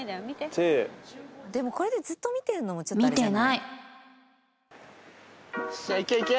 でもこれでずっと見てるのもちょっとあれじゃない？よっしゃいけいけ。